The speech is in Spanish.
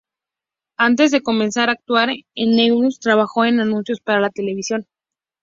Antes de comenzar a actuar en Neighbours, trabajó en anuncios para la televisión.